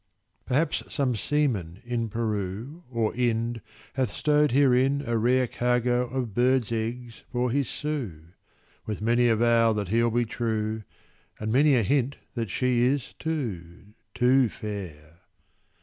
Perhaps some seaman, in Peru Or Ind, hath stow'd herein a rare Cargo of birds' eggs for his Sue; With many a vow that he'll be true, And many a hint that she is too, Too fair.